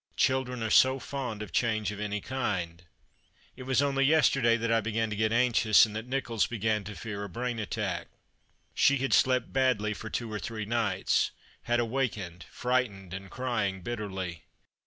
Children are so fond of change of any kind. It was only yesterday that I began to get anxious, and that NichoUs began to fear a brain attack. She had slept badly for two or three nights — had awakened, frightened and crying bitterly.